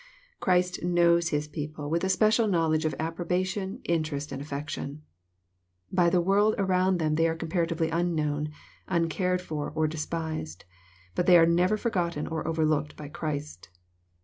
Christ ^^ knows " his people with a special knowledge of approbation, interest, and affection. By the world around them they are comparatively unknown, uncared for, or de« spised. But they are never forgotten or overlooked by Christ.